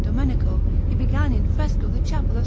Domenico, he began in fresco the Chapel of S.